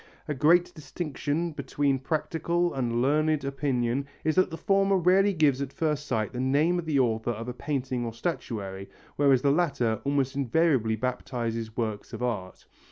A great distinction between practical and learned opinion is that the former rarely gives at first sight the name of the author of a painting or statuary, whereas the latter almost invariably baptizes works of art.